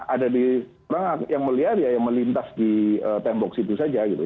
ada yang melihat ya melintas di tembok situ saja gitu